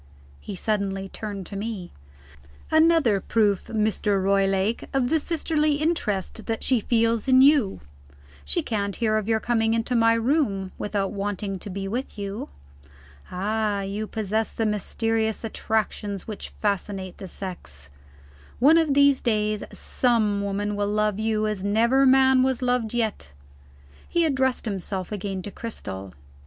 He suddenly turned to me. "Another proof, Mr. Roylake, of the sisterly interest that she feels in you; she can't hear of your coming to my room, without wanting to be with you. Ah, you possess the mysterious attractions which fascinate the sex. One of these days, some woman will love you as never man was loved yet." He addressed himself again to Cristel.